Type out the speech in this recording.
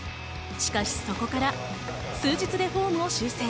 しかし、そこから数日でフォームを修正。